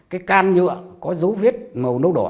cái can nhựa có dấu viết màu nâu đỏ